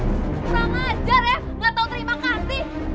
kurang ajar ya nggak tau terima kasih